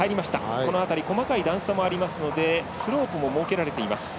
この辺り細かい段差もありますのでスロープも設けられています。